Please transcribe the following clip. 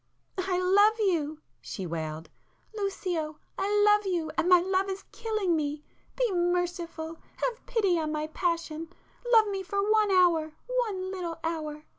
"I love you!" she wailed—"Lucio, I love you, and my love is killing me! Be merciful!—have pity on my passion!—love me for one hour, one little hour!